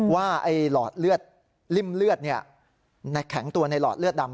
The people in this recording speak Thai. ว่าหลอดริ่มเลือดแข็งตัวในหลอดเลือดดำ